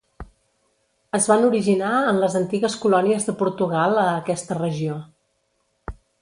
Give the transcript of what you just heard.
Es van originar en les antigues colònies de Portugal a aquesta regió.